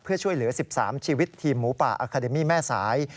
เพื่อช่วยเหลือ๑๓ชีวิตทีมหมูป่าอาคาเดมี่แม่สาย